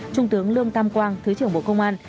trung tướng lương tam quang thứ trưởng bộ công an